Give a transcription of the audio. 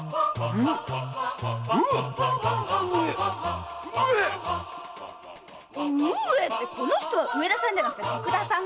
うえ‼うえ‼「うえ」ってこの人上田さんじゃなくて徳田さん。